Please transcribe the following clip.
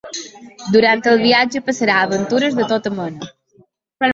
Durant el viatge passarà aventures de tota mena.